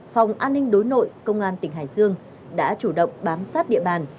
phòng an ninh đối nội công an tỉnh hải dương đã chủ động bám sát địa bàn